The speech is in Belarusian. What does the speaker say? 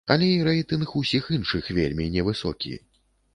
Але і рэйтынг усіх іншых вельмі невысокі.